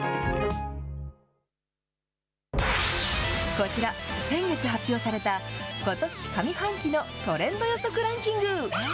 こちら、先月発表されたことし上半期のトレンド予測ランキング。